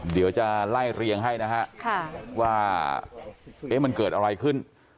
เดี๋ยวจะไล่เรียงให้นะฮะว่ามันเกิดอะไรขึ้น